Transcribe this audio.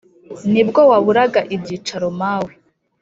ni bwo waburaga ibyicaro mawe